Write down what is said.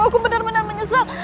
aku benar benar menyesal